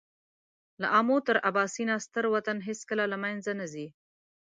له آمو تر اباسینه ستر وطن هېڅکله له مېنځه نه ځي.